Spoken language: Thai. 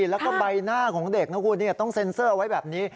แล้วก็ใบหน้าของเด็กนะคุณต้องเซ็นเซอร์ไว้แบบนี้